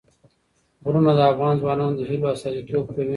غرونه د افغان ځوانانو د هیلو استازیتوب کوي.